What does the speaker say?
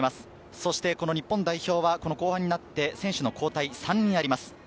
そしてこの日本代表は後半になって選手の交代３人あります。